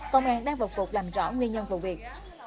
công an đang vật cuộc làm rõ nguyên nhân vụ việc